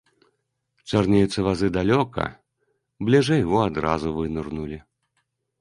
Чарнеюцца вазы далёка, бліжэй, во, адразу вынырнулі.